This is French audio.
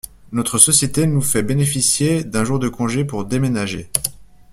Notre société nous fait bénéficier d'un jour de congé pour déménager.